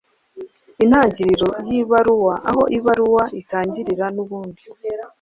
Intangiriro y’ibaruwa: Aho Ibaruwa itangirira n’ubundi